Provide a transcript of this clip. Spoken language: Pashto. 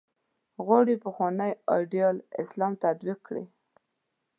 غواړي پخوانی ایدیال اسلام تطبیق کړي.